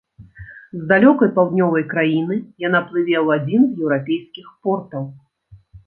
З далёкай паўднёвай краіны яна плыве ў адзін з еўрапейскіх портаў.